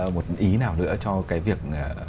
một ý nào nữa cho cái việc